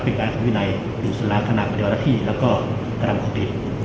เป็นการทำวินัยอยู่สร้างถนักบรรยาที่และกระดำของติด